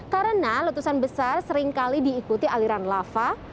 karena letusan besar seringkali diikuti aliran lava